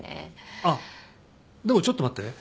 あっでもちょっと待って。